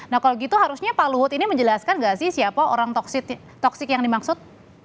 nah kalau gitu harusnya pak luhut ini menjelaskan nggak sih siapa orang toksik yang dimaksud